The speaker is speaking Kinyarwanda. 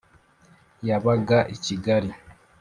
yabaga i kigali,